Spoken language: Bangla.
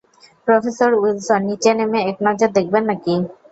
প্রফেসর উইলসন, নিচে নেমে এক নজর দেখবেন নাকি?